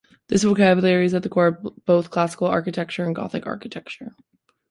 This vocabulary is at the core of both classical architecture and Gothic architecture.